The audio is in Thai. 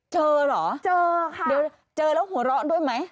เจอเหรอเจอค่ะเดี๋ยวเจอแล้วหัวเราะด้วยไหม